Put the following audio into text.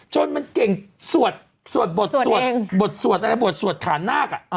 จนมันเก่งสวดสวดบดสวดบวชสวดขาหน้ากอะ